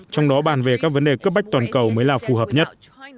trong đó bàn về các vấn đề cấp bách toàn cầu mới là phù hợp nhất